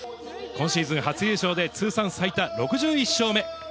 今シーズン初優勝で、通算最多６１勝目。